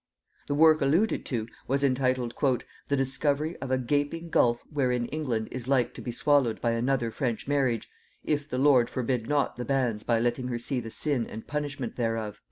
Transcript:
The work alluded to was entitled "The discovery of a gaping gulf wherein England is like to be swallowed by another French marriage, if the Lord forbid not the banns by letting her see the sin and punishment thereof."